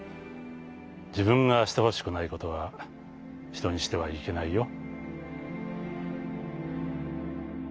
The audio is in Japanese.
自分がしてほしくないことは人にしてはいけないよ」。